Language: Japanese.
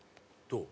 どう？